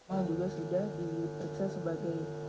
idrus sudah diperiksa sebagai